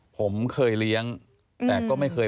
ผมเคยเลี้ยงแต่ก็ไม่เคย